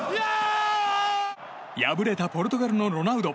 敗れたポルトガルのロナウド。